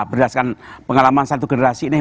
berdasarkan pengalaman satu generasi ini